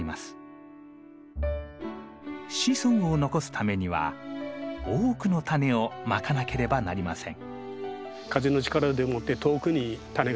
子孫を残すためには多くのタネをまかなければなりません。